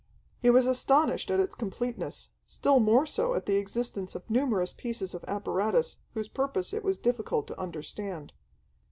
He was astonished at its completeness, still more so at the existence of numerous pieces of apparatus whose purpose it was difficult to understand.